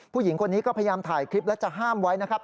ผู้หญิงคนนี้ก็พยายามถ่ายคลิปแล้วจะห้ามไว้นะครับ